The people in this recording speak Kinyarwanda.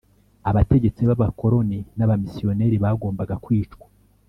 abategetsi b abakoroni n abamisiyoneri bagombaga kwicwa